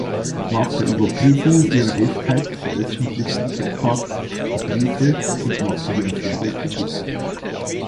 Nach der Überprüfung ihrer Echtheit veröffentlichte Gebhardt die Briefe und machte die Affäre publik.